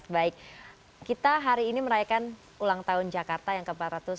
baik kita hari ini merayakan ulang tahun jakarta yang ke empat ratus sembilan puluh